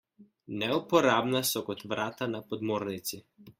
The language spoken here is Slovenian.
Neuporabna so kot vrata na podmornici.